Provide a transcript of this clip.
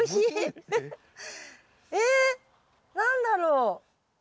え何だろう？